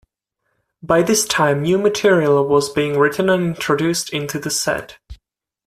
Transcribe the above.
By this time new material was being written and introduced into the set.